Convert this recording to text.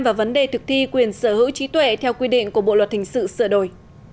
và vấn đề thực thi quyền sở hữu trí tuệ theo quy định của bộ luật hình sự sửa đổi